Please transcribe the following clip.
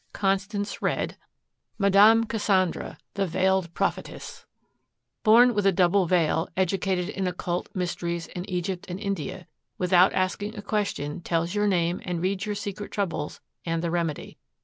Constance read: MME. CASSANDRA, THE VEILED PROPHETESS Born with a double veil, educated in occult mysteries in Egypt and India. Without asking a question, tells your name and reads your secret troubles and the remedy.